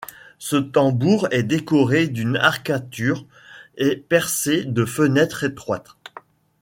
Ce tambour est décoré d'une arcature et percé de fenêtres étroites.